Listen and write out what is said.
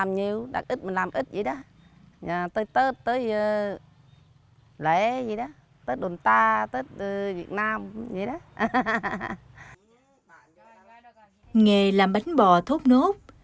nghề làm bánh bò thốt nốt